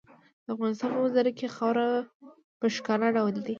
د افغانستان په منظره کې خاوره په ښکاره ډول دي.